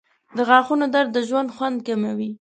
• د غاښونو درد د ژوند خوند کموي.